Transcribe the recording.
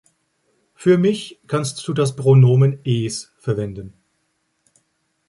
Für mich kannst du das Pronomen "es" verwenden.